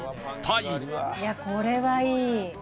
いやこれはいい！